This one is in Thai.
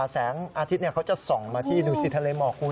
แสงอาทิตย์เขาจะส่องมาที่ดูสิทะเลหมอกคุณ